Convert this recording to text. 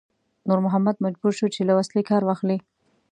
نور محمد مجبور شو چې له وسلې کار واخلي.